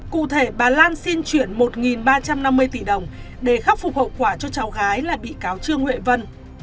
cụ thể bà lan xin chuyển một ba trăm năm mươi tỷ đồng để khắc phục hậu quả cho cháu gái là bị cáo trương huệ vân